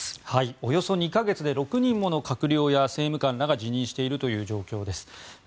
およそ２か月で６人もの閣僚や政務官らが辞任しているという状況です。